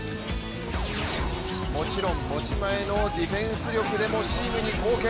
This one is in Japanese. もちろん、持ち前のディフェンス力でもチームに貢献